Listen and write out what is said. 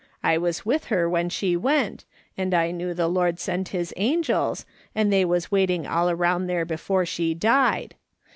I was with her when she went, and I knew the Lord sent his angels, and they was waiting all around there before she died.